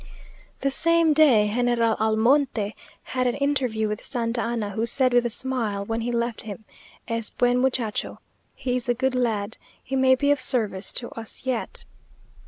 The same day General Almonte had an interview with Santa Anna, who said with a smile, when he left him, "Es buen muchacho (he is a good lad) he may be of service to us yet."